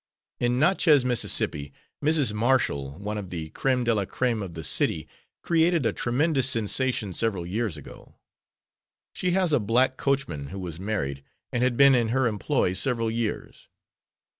In Natchez, Miss., Mrs. Marshall, one of the creme de la creme of the city, created a tremendous sensation several years ago. She has a black coachman who was married, and had been in her employ several years.